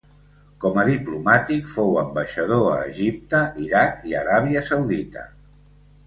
Com a diplomàtic fou ambaixador a Egipte, Iraq i Aràbia Saudita.